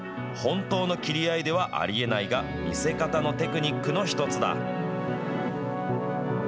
本当の切り合いではありえないが、見せ方のテクニックの一つだ。